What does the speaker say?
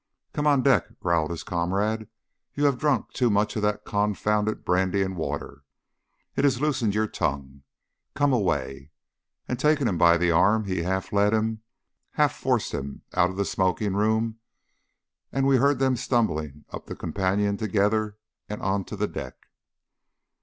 "Come on deck!" growled his comrade; "you have drunk too much of that confounded brandy and water. It has loosened your tongue. Come away!" and taking him by the arm he half led him, half forced him out of the smoking room, and we heard them stumbling up the companion together, and on to the deck.